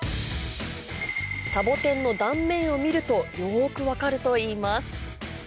サボテンの断面を見るとよく分かるといいます